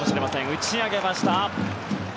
打ち上げました。